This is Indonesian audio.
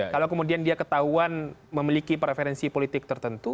kalau kemudian dia ketahuan memiliki preferensi politik tertentu